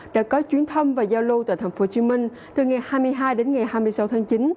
đã có chuyến thăm và giao lưu tại tp hcm từ ngày hai mươi hai đến ngày hai mươi sáu tháng chín